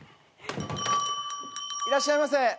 ・いらっしゃいませ。